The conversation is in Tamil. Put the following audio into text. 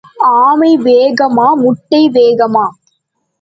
ஆமை வேகமா, முட்டை வேகமா?